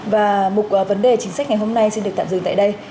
và một vấn đề chính sách ngày hôm nay xin được tạm dừng tại đây